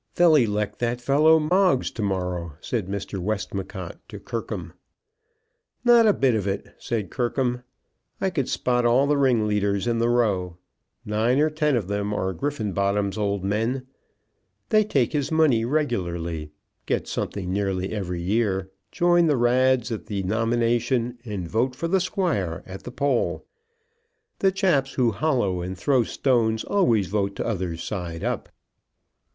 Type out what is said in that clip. "They'll elect that fellow Moggs to morrow," said Mr. Westmacott to Kirkham. "No a bit of it," said Kirkham. "I could spot all the ringleaders in the row. Nine or ten of them are Griffenbottom's old men. They take his money regularly, get something nearly every year, join the rads at the nomination, and vote for the squire at the poll. The chaps who hollow and throw stones always vote t'other side up."